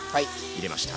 入れました！